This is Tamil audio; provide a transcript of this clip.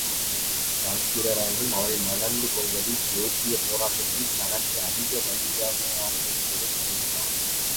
தான்பிரீனும் அவளை மணந்து கொள்வதால் தேசியப் போராட்டத்தில் தனக்கு அதிக வலிமையாகும் என்று கருதினான்.